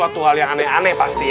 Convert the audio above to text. atau kalian mau ngelakuin hal ini